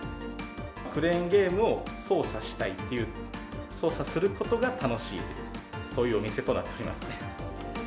クレーンゲームを操作したいっていう、操作することが楽しい、そういうお店となっておりますね。